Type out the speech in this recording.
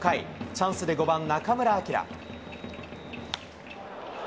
チャンスで５番中村晃。